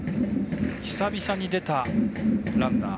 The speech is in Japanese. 久々に出たランナー。